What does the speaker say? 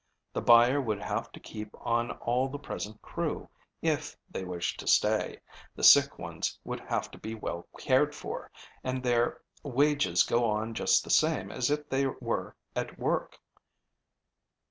The buyer would have to keep on all the present crew, if they wish to stay. The sick ones would have to be well cared for, and their wages go on just the same as if they were at work.